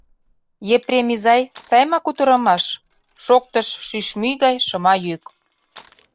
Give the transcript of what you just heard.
— Епрем изай, сай ма кутырымаш?! — шоктыш шӱшмӱй гай шыма йӱк.